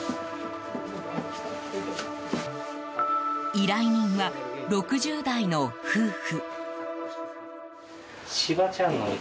依頼人は６０代の夫婦。